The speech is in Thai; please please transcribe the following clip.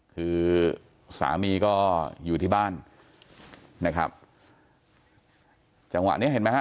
คือสามีก็อยู่ที่บ้านนะครับจังหวะเนี้ยเห็นไหมฮะ